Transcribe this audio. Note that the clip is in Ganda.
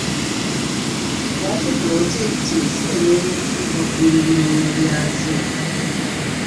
Lwaki pulojekiti ziremererwa okutuuka ku biruubirirwa byazo?